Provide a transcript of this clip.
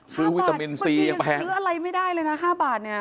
ซื้อวิตามินซียังแพง